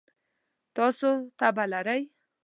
تاسو تبه لرئ؟